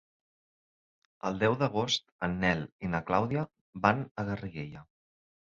El deu d'agost en Nel i na Clàudia van a Garriguella.